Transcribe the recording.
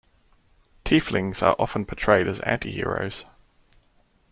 Tieflings are often portrayed as antiheroes.